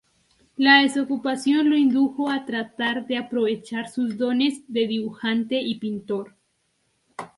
La desocupación lo indujo a tratar de aprovechar sus dotes de dibujante y pintor.